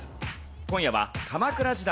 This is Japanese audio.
今夜は鎌倉時代